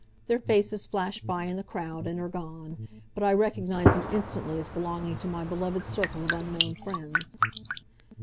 Their faces flash by in the crowd, and are gone, but I recognize them instantly as belonging to my beloved circle of unknown friends.